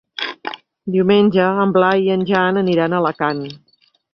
Diumenge en Blai i en Jan aniran a Alacant.